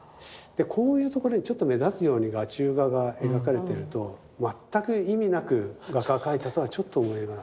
こういうところにちょっと目立つように画中画が描かれてると全く意味なく画家が描いたとはちょっと思えない。